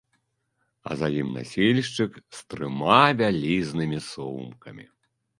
А за ім насільшчык з трыма вялізнымі сумкамі.